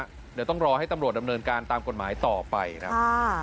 เดี๋ยวต้องรอให้ตำรวจดำเนินการตามกฎหมายต่อไปครับ